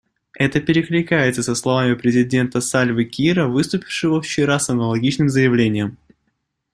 Это перекликается со словами президента Сальвы Киира, выступившего вчера с аналогичным заявлением.